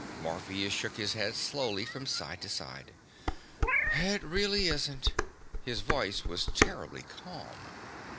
Morpheus shook his head slowly from side to side. "It really isn't." His voice was terribly calm.